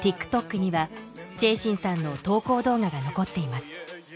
ＴｉｋＴｏｋにはチェー・シンさんの投稿動画が残っています